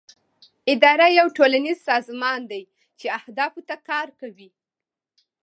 اداره یو ټولنیز سازمان دی چې اهدافو ته کار کوي.